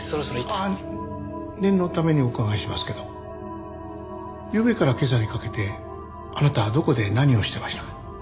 ああ念のためにお伺いしますけどゆうべから今朝にかけてあなたはどこで何をしてましたか？